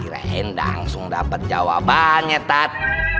kirain langsung dapet jawabannya tat